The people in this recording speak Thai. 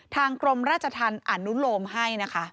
ทางกรมราชทันอนุโลมให้นะคะ